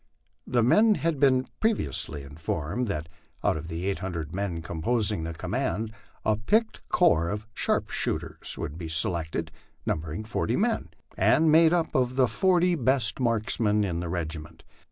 The men had been previously informed that out of the eight hundred men composing the command, a picked corps of sharpshooters would be selected, numbering forty men, and made up of the forty best marks men in the regiment.